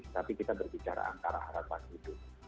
tapi kita berbicara antara harapan hidup